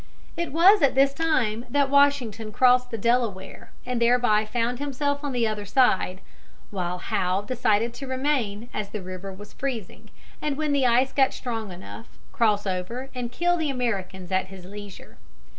It was at this time that Washington crossed the Delaware and thereby found himself on the other side; while Howe decided to remain, as the river was freezing, and when the ice got strong enough, cross over and kill the Americans at his leisure.